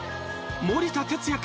森田哲矢